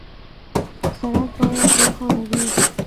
سړک باید روښانه وي.